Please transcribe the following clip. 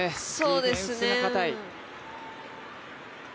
ディフェンスが堅い。